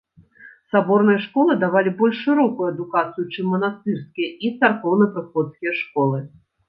Саборныя школы давалі больш шырокую адукацыю, чым манастырскія і царкоўнапрыходскія школы.